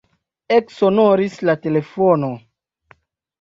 Eksonoris la telefono.